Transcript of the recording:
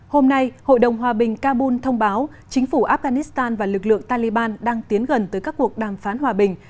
hôm nay hội đồng hòa bình kabul thông báo chính phủ afghanistan và lực lượng taliban đang tiến gần tới các cuộc đàm phán hòa bình